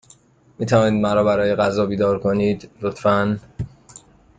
می توانید مرا برای غذا بیدار کنید، لطفا؟